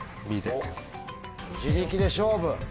自力で勝負。